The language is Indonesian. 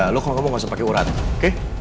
lo kalo kamu gausah pake urat oke